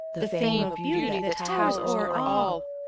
The fame of beauty that towers o'er all.